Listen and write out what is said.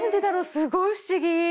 すごい不思議！